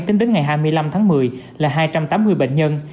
tính đến ngày hai mươi năm tháng một mươi là hai trăm tám mươi bệnh nhân